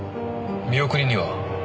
見送りには？